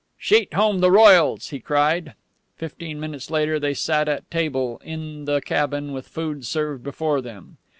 "Sheet home the royals!" he cried. Fifteen minutes later they sat at table, in the cabin, with food served before them.